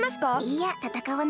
いやたたかわない！